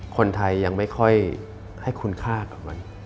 คนไทยยังไม่ค่อยให้คุณค่ากับมัน